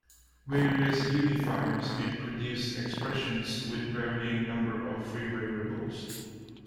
Various unifiers may produce expressions with varying numbers of free variables.